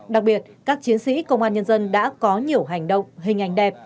đặc biệt các chiến sĩ công an nhân dân đã có nhiều hành động hình ảnh đẹp